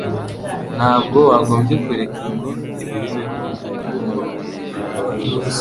Ntabwo wagombye kureka ngo ibi bibeho